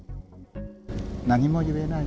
何も言えない